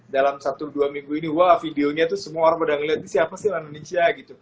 dalam satu dua minggu ini wah videonya semua orang sudah melihat ini siapa sih orang indonesia